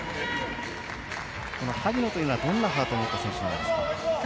萩野というのはどんなハートを持った選手ですか。